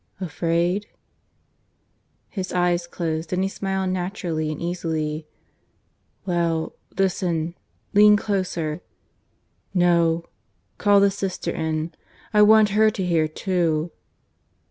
"Afraid?" His eyes closed, and he smiled naturally and easily. "Well; listen. Lean closer. ... No ... call the sister in. I want her to hear too."